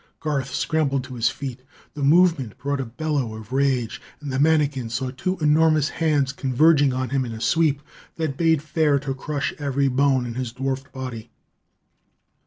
Garth scrambled to his feet. The movement brought a bellow of rage, and the manikin saw two enormous hands converging on him in a sweep that bade fair to crush every bone in his dwarfed body.